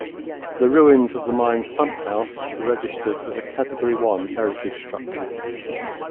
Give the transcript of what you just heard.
The ruins of the mine's pumphouse are registered as a Category One heritage structure.